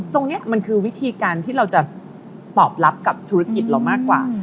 ตรงนี้มันคือวิธีการที่เราจะตอบรับกับธุรกิจเรามากกว่า